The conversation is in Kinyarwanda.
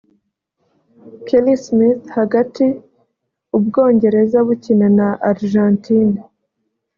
Kelly Smith (hagati) u Bwongereza bukina na Argentine